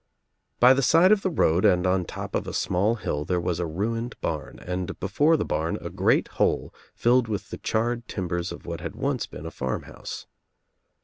By the side of the road and on top of a small hil! there was a ruined barn, and before the barn a great hole filled with the charred timbers of what had once been a farmhouse.